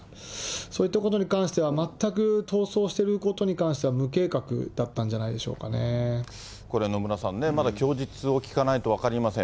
そういったことに関しては、全く逃走してることに関しては無計画だったんじゃないでしょうかこれ、野村さんね、まだ供述を聞かないと分かりません。